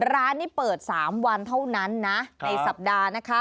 ร้านนี้เปิด๓วันเท่านั้นนะในสัปดาห์นะคะ